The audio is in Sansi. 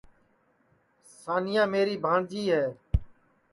سانیا میری بھانٚجی ہے